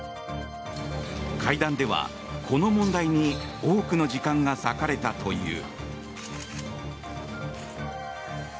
会談ではこの問題に多くの時間が割かれたという。